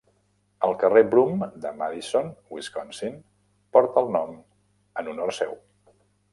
El carrer Broom de Madison, Wisconsin, porta el nom en honor seu.